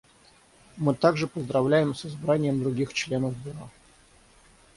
Мы также поздравляем с избранием других членов Бюро.